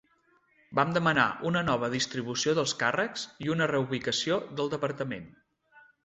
Vam demanar una nova distribució dels càrrecs i una reubicació del departament.